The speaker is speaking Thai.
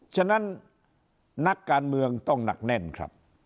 ฉะนั้นนักการเมืองต้องหนักแน่นครับ